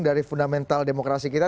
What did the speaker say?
dari fundamental demokrasi kita